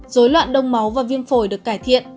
dối loạn đông máu và viêm phổi được cải thiện